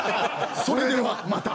それではまた。